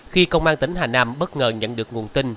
khi công an tỉnh hà nam bất ngờ nhận được nguồn tin